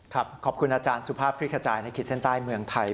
ครับขอบคุณอาจารย์สุภาพพลิกภัยในคิดเส้นใต้เมืองไทย